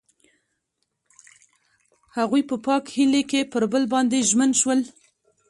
هغوی په پاک هیلې کې پر بل باندې ژمن شول.